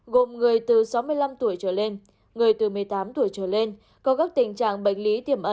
gồm người từ sáu mươi năm tuổi trở lên người từ một mươi tám tuổi trở lên có các tình trạng bệnh lý tiềm ẩn